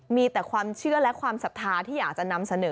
มีแต่ความเชื่อและความศรัทธาที่อยากจะนำเสนอ